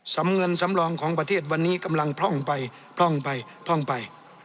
สำเงินสำรองของประเทศวันนี้กำลังพร่องไปพร่องไปพร่องไป